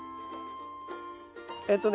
えっとね